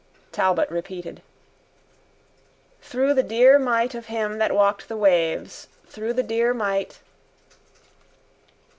Talbot repeated: _—Through the dear might of Him that walked the waves, Through the dear might...